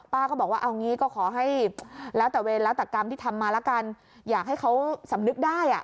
ก็บอกว่าเอางี้ก็ขอให้แล้วแต่เวรแล้วแต่กรรมที่ทำมาละกันอยากให้เขาสำนึกได้อ่ะ